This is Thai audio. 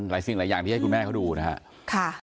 หลายสิ่งหลายอย่างที่ให้คุณแม่เขาดูนะฮะ